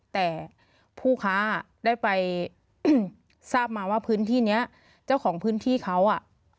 แต่ผู้ค้าได้ไปทราบมาว่าพื้นที่นี้เจ้าของพื้นที่เขาอ่ะ